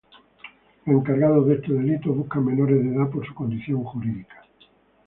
Los Encargados de este delito buscan menores de edad por su condición jurídica.